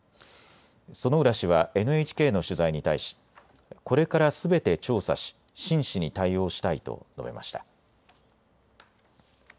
薗浦氏はＮＨＫの取材に対しこれからすべて調査し真摯に対応したいと述べました。